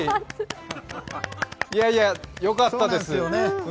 いやいや、よかったです。